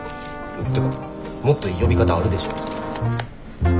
ってかもっといい呼び方あるでしょ。